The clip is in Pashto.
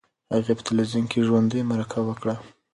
هغې په تلویزیون کې ژوندۍ مرکه وکړه.